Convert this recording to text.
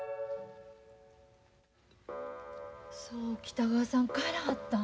そう北川さん帰らはったん？